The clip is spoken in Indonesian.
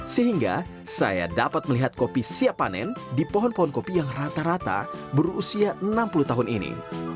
sehingga saya dapat melihat kopi siap panen di pohon pohon kopi yang rata rata berusia enam puluh tahun ini